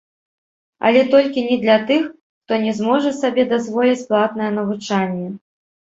Але толькі не для тых, хто не зможа сабе дазволіць платнае навучанне.